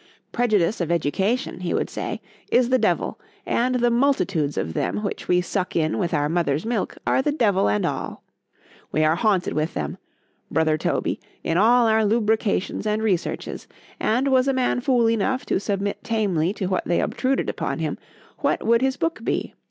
—Prejudice of education, he would say, is the devil,—and the multitudes of them which we suck in with our mother's milk—are the devil and all.——We are haunted with them, brother Toby, in all our lucubrations and researches; and was a man fool enough to submit tamely to what they obtruded upon him,—what would his book be?